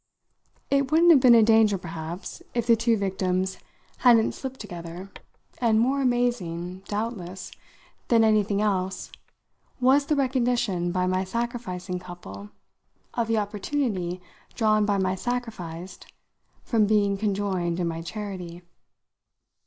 It wouldn't have been a danger, perhaps, if the two victims hadn't slipped together; and more amazing, doubtless, than anything else was the recognition by my sacrificing couple of the opportunity drawn by my sacrificed from being conjoined in my charity.